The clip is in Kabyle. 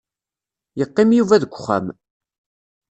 Yeqqim Yuba deg uxxam.